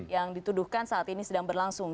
yang dituduhkan saat ini sedang berlangsung